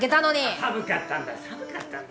寒かったんだよ寒かったんだよ。